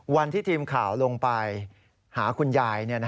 วันที่ทีมข่าวลงไปหาคุณยาย